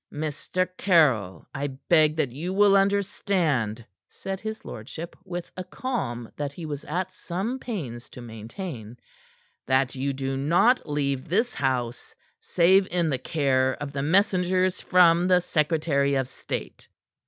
"Mr. Caryll, I beg that you will understand," said his lordship, with a calm that he was at some pains to maintain, "that you do not leave this house save in the care of the messengers from the secretary of state."